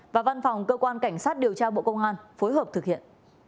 và văn phòng cơ quan cảnh sát điều tra bộ công an phối hợp thực hiện